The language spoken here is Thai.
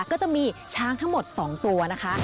ก็จะมีช้างทั้งหมด๒ตัวนะคะ